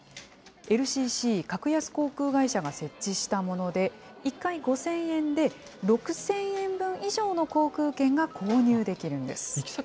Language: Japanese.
ＬＣＣ・格安航空会社が設置したもので、１回５０００円で、６０００円分以上の航空券が購入できるんです。